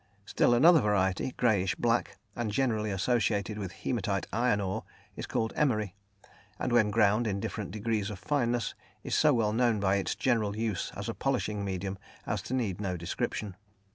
Still another variety, greyish black and generally associated with hæmatite iron ore, is called emery, and, when ground in different degrees of fineness, is so well known by its general use as a polishing medium as to need no description.